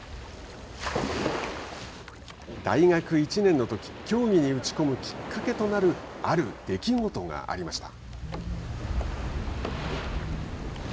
大学１年のとき競技に打ち込むきっかけとなるある出来事がありました。